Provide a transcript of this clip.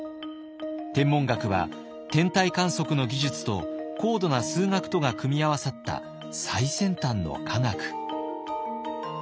天文学は天体観測の技術と高度な数学とが組み合わさった最先端の科学。